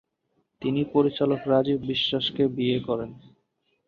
তিনি পরিচালক রাজিব বিশ্বাসকে বিয়ে করেন।